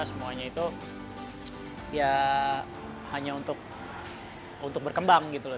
semuanya itu ya hanya untuk berkembang gitu loh